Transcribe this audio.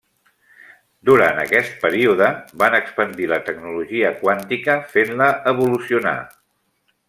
Durant aquest període, van expandir la tecnologia quàntica fent-la evolucionar.